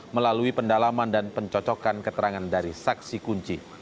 melalui pendalaman dan pencocokan keterangan dari saksi kunci